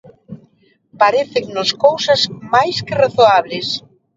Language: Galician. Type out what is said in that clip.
Parécennos cousas máis que razoables.